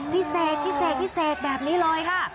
พี่เสกแบบนี้เลยค่ะ